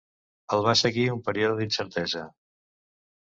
El va seguir un període d'incertesa.